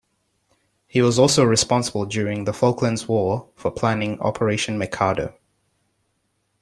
He was also responsible during the Falklands War for planning Operation Mikado.